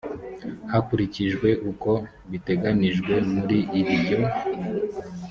hakurikijwe uko biteganyijwe muri iryo